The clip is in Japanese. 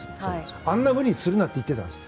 あんなふうにするなって言ってたんです。